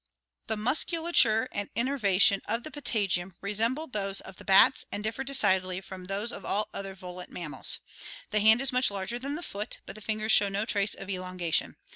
The musculature and innervation of the patagium resemble those of the bats and differ decidedly from those of all other volant mammals. The hand is much larger than the foot, but the fingers show no trace of elonga tion.